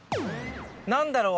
何だろう